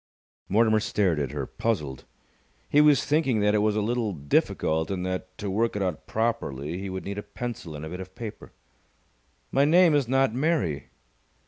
Mortimer stared at her, puzzled. He was thinking that it was a little difficult and that, to work it out properly, he would need a pencil and a bit of paper. "My name is not Mary!"